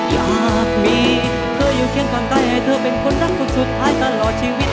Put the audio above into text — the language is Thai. อยากมีเธออยู่เคียงกันได้ให้เธอเป็นคนรักคนสุดท้ายตลอดชีวิต